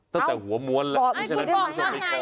ตั้งแต่หัวม้วนแล้ว